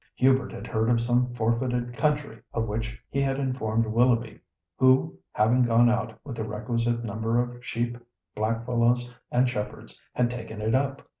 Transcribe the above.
Hubert had heard of some "forfeited" country, of which he had informed Willoughby, who, having gone out with the requisite number of sheep, blackfellows, and shepherds, had "taken it up."